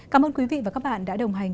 cảm ơn quý vị và các bạn đã đồng hành